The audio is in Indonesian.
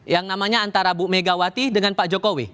yang namanya antara bu megawati dengan pak jokowi